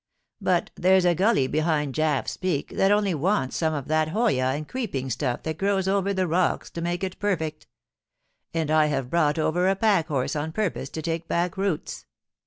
But there^s a gully behind JafFs Peak that only wants some of that hoya and creeping stuff that grows over the rocks to make it perfect And I have brought over a pack horse on purpose to take back roots.